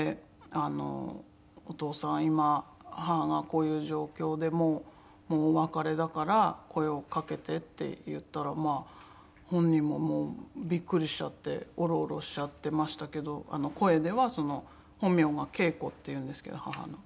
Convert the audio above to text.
「お父さん今母がこういう状況でもうお別れだから声をかけて」って言ったらまあ本人ももうビックリしちゃっておろおろしちゃってましたけど声では本名が「啓子」っていうんですけど母の。